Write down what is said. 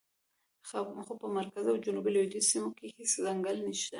خو په مرکزي او جنوب لویدیځو سیمو کې هېڅ ځنګل نشته.